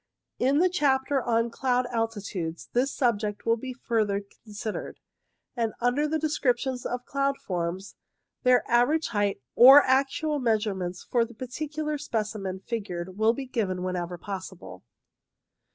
In the chapter on cloud altitudes this subject will be further considered, and under the descriptions of cloud forms their average height or actual measurements for the particular specimen figured will be given whenever possible.